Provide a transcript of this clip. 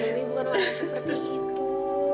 tidak dewi bukan marah seperti itu